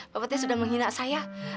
bapak tea sudah menghina saya